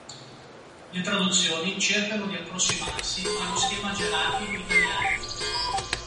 Le traduzioni cercano di approssimarsi allo schema gerarchico italiano.